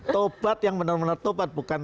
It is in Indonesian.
taubat yang benar benar taubat bukan